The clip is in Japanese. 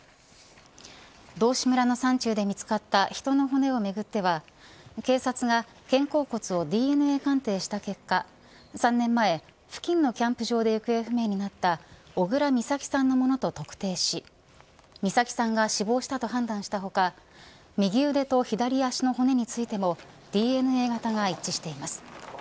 道志村の山中で見つかった人の骨をめぐっては警察が肩甲骨をＤＮＡ鑑定した結果３年前、付近のキャンプ場で行方不明になった小倉美咲さんのものと特定し美咲さんが死亡したと判断した他右腕と左脚の骨についてもＤＮＡ型が一致しています。